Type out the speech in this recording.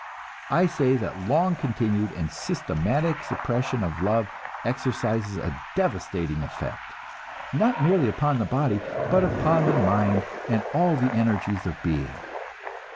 I say that long continued and systematic suppression of love exercises a devastating effect, not merely upon the body, but upon the mind and all the energies of the being.